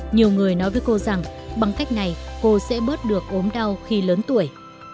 nhiều người nói với cô rằng bằng cách này cô sẽ bớt được ốm đau khi lớn tuổi